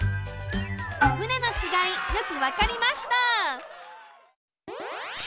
「ふね」のちがいよくわかりました！